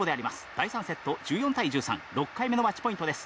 第３セット１４対１３６回目のマッチポイントです。